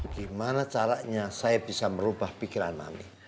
gimana caranya saya bisa merubah pikiran kami